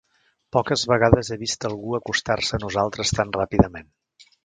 Poques vegades he vist algú acostar-se a nosaltres tan ràpidament.